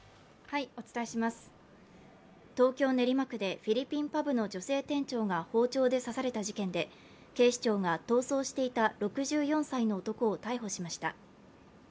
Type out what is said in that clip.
東京・練馬区でフィリピンパブの女性店長が包丁で刺された事件で警視庁が逃走していた６４歳の男を逮捕しました。